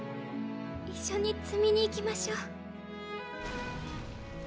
一緒に摘みに行きましょう。